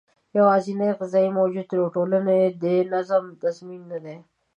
یوازې غذايي موجودیت د ټولنې د نظم تضمین نه دی.